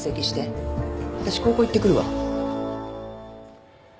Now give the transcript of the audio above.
わたし高校行ってくるわ。